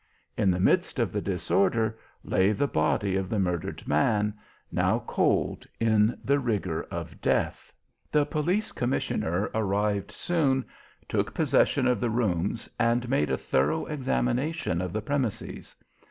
In the midst of the disorder lay the body of the murdered man, now cold in the rigour of death. The police commissioner arrived soon, took possession of the rooms, and made a thorough examination of the premises.